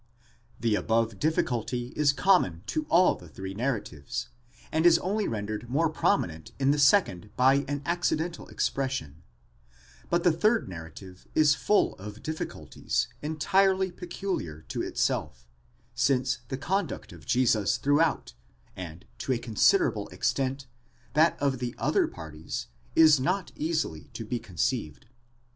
The above difficulty is common to all the three narratives, and is only rendered more prominent in the second by an accidental expression : but the third narrative is full of difficulties entirely peculiar to itself, since the conduct of Jesus throughout, and, to a considerable extent, that of the other parties, is not easily to be conceived.